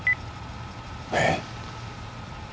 えっ？